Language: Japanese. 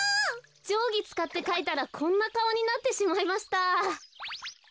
じょうぎつかってかいたらこんなかおになってしまいました。